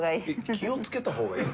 気をつけた方がいい？